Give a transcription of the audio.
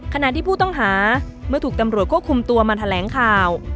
ขณะที่ผู้ต้องหาเมื่อถูกตำรวจควบคุมตัวมาแถลงข่าว